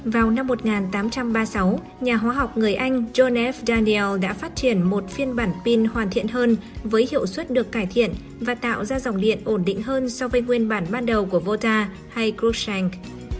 vào năm một nghìn tám trăm ba mươi sáu nhà hóa học người anh jonev daniel đã phát triển một phiên bản pin hoàn thiện hơn với hiệu suất được cải thiện và tạo ra dòng điện ổn định hơn so với nguyên bản ban đầu của vota hay groupsank